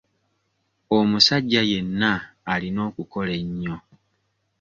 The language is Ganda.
Omusajja yenna alina okukola ennyo.